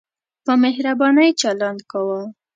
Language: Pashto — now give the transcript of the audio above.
په مهربانۍ چلند کاوه.